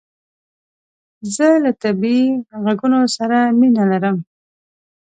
زه له طبیعي عږونو سره مینه لرم